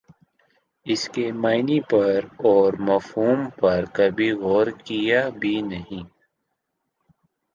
اسکے معانی پر اور مفہوم پر کبھی غورکیا بھی نہیں